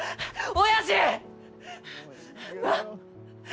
おやじ！